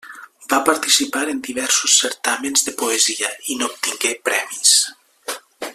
Va participar en diversos certàmens de poesia, i n'obtingué premis.